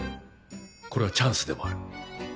これはチャンスでもある。